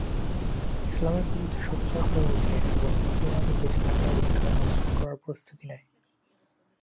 ইসলামের বিরুদ্ধে সোচ্চার হয়ে ওঠে এবং মুসলমানদের বেঁচে থাকার অধিকার নস্যাৎ করার প্রস্তুতি নেয়।